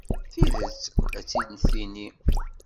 Tidet, ad tt-id-tini.